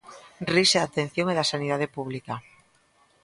Rise da atención e da sanidade pública.